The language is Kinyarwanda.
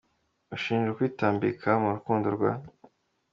ushinjwa kwitambika mu rukundo rwa.